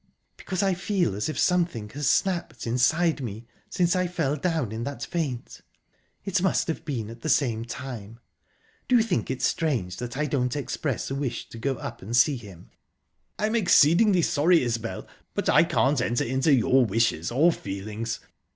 "Because I feel as if something has snapped inside me since I fell down in that faint. It must have been at the same time...Do you think it strange that I don't express a wish to go up and see him?" "I'm exceedingly sorry, Isbel, but I can't enter into your wishes or feelings.